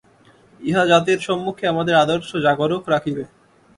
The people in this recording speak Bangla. ইহা জাতির সম্মুখে আমাদের আদর্শ জাগরূক রাখিবে।